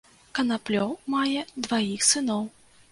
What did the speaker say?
Канаплёў мае дваіх сыноў.